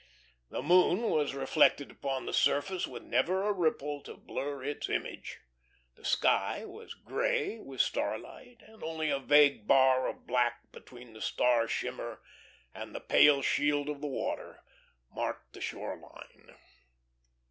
The moon was reflected upon the surface with never a ripple to blur its image. The sky was grey with starlight, and only a vague bar of black between the star shimmer and the pale shield of the water marked the shore line.